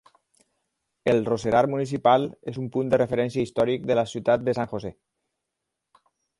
El Roserar Municipal és un punt de referència històric de la ciutat de San José.